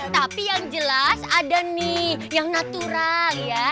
tapi yang jelas ada nih yang natural ya